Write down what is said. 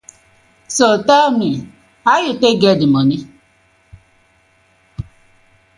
So tell me, how yu tak get di moni?